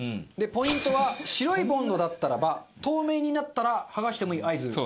ポイントは白いボンドだったらば透明になったら剥がしてもいい合図です。